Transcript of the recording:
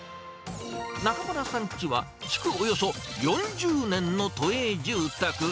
中邑さんちは、築およそ４０年の都営住宅。